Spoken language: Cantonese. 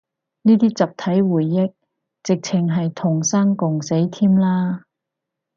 呢啲集體回憶，直程係同生共死添啦